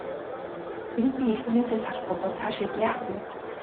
Хэрэв би эхнэрээсээ салахгүй бол цаашид яах вэ?